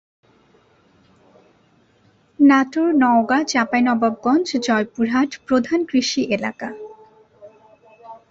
নাটোর, নওগাঁ, চাঁপাইনবাবগঞ্জ, জয়পুরহাট প্রধান কৃষি এলাকা।